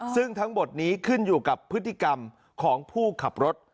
ซึ่งทั้งหมดนี้ขึ้นอยู่กับพฤติกรรมของผู้ขับรถ